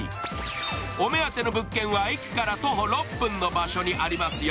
お目当ての物件は駅から徒歩６分の場所にありますよ。